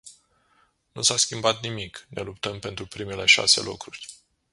Nu s-a schimbat nimic, ne luptăm pentru primele șase locuri.